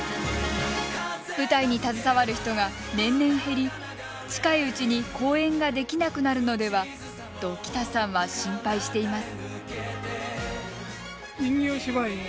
舞台に携わる人が年々減り近いうちに公演ができなくなるのではと北さんは心配しています。